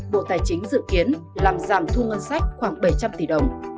bộ tài chính dự kiến làm giảm thu ngân sách khoảng bảy trăm linh tỷ đồng